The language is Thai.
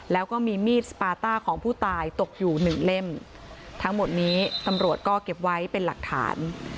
แล้วก็มีมีดสปาต้าของผู้ตายตกอยู่หนึ่งเล่มทั้งหมดนี้ตำรวจก็เก็บไว้เป็นหลักฐาน